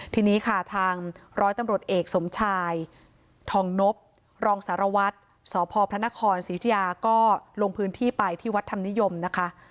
ทีนี้ค่ะทางร้อยตำรวจเอกสมชายทองนบรองสารวัตรสพพระนครศรียุธิยาก็ลงพื้นที่ไปที่วัดธรรมนิยมนะคะ